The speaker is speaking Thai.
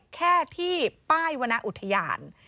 แค่ที่ป้ายวรรณอุทยาน